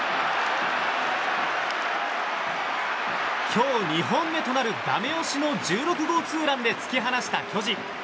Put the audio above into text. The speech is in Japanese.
今日２本目となるダメ押しの１６号ツーランで突き放した巨人。